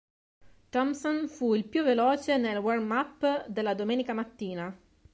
Thompson fu il più veloce nel warm-up della domenica mattina.